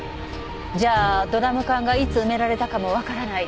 じゃあドラム缶がいつ埋められたかもわからない。